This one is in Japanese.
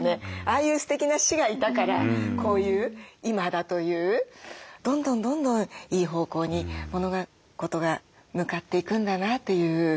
ああいうすてきな師がいたからこういう今だというどんどんどんどんいい方向に物事が向かっていくんだなという。